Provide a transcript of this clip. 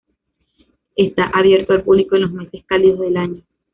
Está abierto al público en los meses cálidos del año.